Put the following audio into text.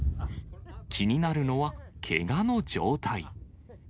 気になるのは、けがの状態。